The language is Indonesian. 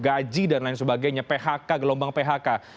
gaji dan lain sebagainya phk gelombang phk